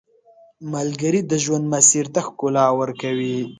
ملګری د ژوند مسیر ته ښکلا ورکوي